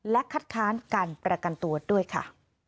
และคัดค้านการประกันตัวด้วยค่ะ